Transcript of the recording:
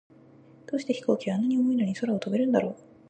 どうして飛行機は、あんなに重いのに空を飛べるんだろう。